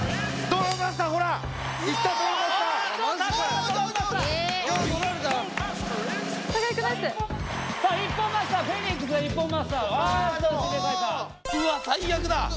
うわ最悪だ。